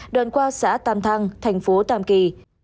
đoàn qua xã tâm thăng thành phố tâm kỳ